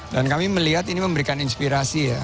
dan kami melihat ini memberikan inspirasi ya